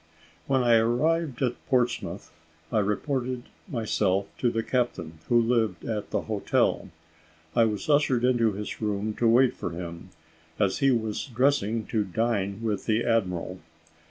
When I arrived at Portsmouth, I reported myself to the captain, who lived at the hotel. I was ushered into his room to wait for him, as he was dressing to dine with the admiral.